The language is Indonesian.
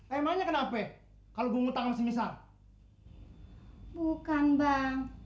emangnya kenapa kalau gue ngutang sama si misal bukan bang